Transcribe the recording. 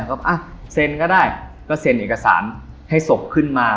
ก็อ่ะเซ็นก็ได้ก็เซ็นเอกสารให้ศพขึ้นมา